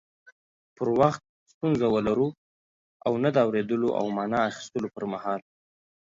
پر وخت ستونزه ولرو او نه د اوريدلو او معنی اخستلو پر مهال